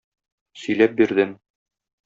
Сөйләп бирдем.